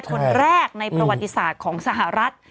คนแรกในประวัติศาสตร์ของสหรัฐ